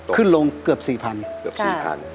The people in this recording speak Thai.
ขึ้นลงเกือบ๔๐๐๐บาท